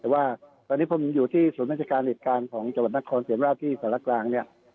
แต่ว่าตอนนี้ผมอยู่ที่ศูนย์แม่งจิการอิตการของจับหวัดนครเสียงราชที่สหรัฐกลางเนี่ย